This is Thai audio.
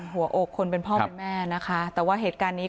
หัวอกคนเป็นพ่อเป็นแม่นะคะแต่ว่าเหตุการณ์นี้